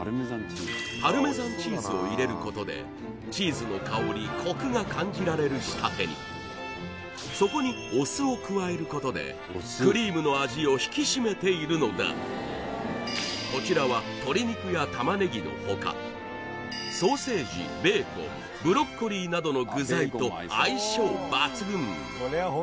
パルメザンチーズを入れることでチーズの香りコクが感じられる仕立てにそこにお酢を加えることでクリームの味を引き締めているのだこちらは鶏肉や玉ねぎの他の具材と相性抜群